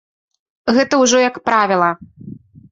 Гэта ўжо як правіла.